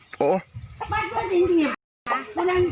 ต้องเงียบ